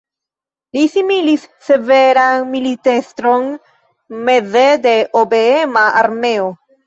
Li similis severan militestron meze de obeema armeo.